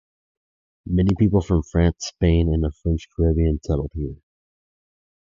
Many people from France, Spain, and the French Caribbean settled here.